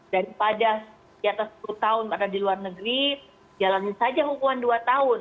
dari pada diatas sepuluh tahun di luar negeri jalanin saja hukuman dua tahun